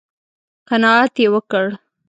_قناعت يې وکړ؟